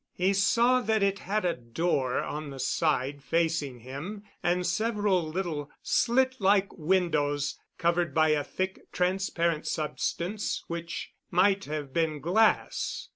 He saw that it had a door on the side facing him, and several little slitlike windows, covered by a thick, transparent substance which might have been glass.